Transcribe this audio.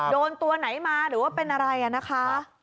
โดนตัวไหนมาหรือว่าเป็นอะไรนะคะ